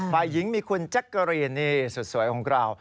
ฝ่ายหญิงมีคุณจักรีนี่สวยของเรา